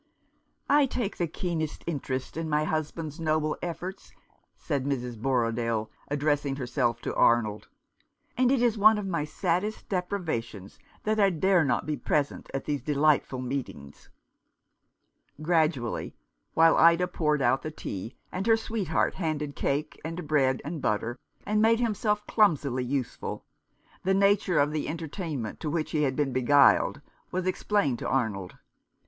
" I take the keenest interest in my husband's noble efforts," said Mrs. Borrodaile, addressing herself to Arnold ;" and it is one of my saddest deprivations that I dare not be present at these delightful meetings." Gradually, while Ida poured out the tea, and her sweetheart handed cake and bread and butter, and made himself clumsily useful, the nature of the entertainment to which he had been beguiled was explained to Arnold.